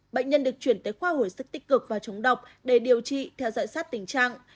bệnh nhân được chuyển tới khoa hồi sức tích cực và chống độc để điều trị theo dõi sát tình trạng